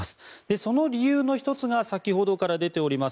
その理由の１つが先ほどから出ております